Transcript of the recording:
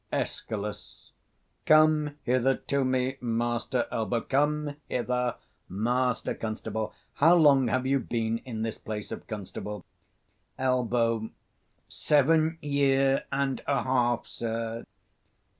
_ 240 Escal. Come hither to me, Master Elbow; come hither, Master constable. How long have you been in this place of constable? Elb. Seven year and a half, sir.